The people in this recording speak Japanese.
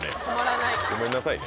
ごめんなさいね。